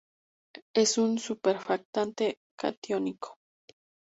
Es un surfactante catiónico.